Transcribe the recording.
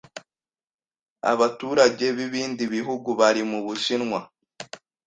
Abaturage b'ibindi bihugu bari mu Bushinwa,